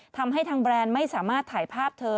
ทำให้ทางแบรนด์ไม่สามารถถ่ายภาพเธอ